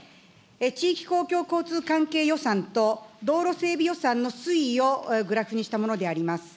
地域公共交通関係予算と道路整備予算の推移をグラフにしたものであります。